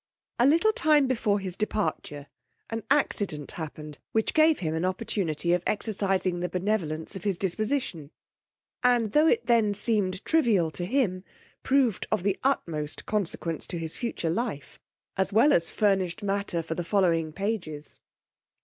A little time before his departure an accident happened, which gave him an opportunity of exercising the benevolence of his disposition; and, tho' it then seemed trivial to him, proved of the utmost consequence to his future life, as well as furnished matter for the following pages.